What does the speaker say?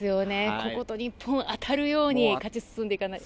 ここと日本が当たるように勝ち進んでいかないと。